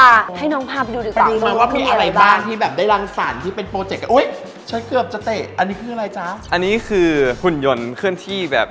อันนี้คือหุ่นยนต์เคลื่อนที่แบบ